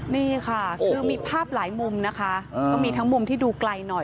นี่ค่ะคือมีภาพหลายมุมนะคะก็มีทั้งมุมที่ดูไกลหน่อย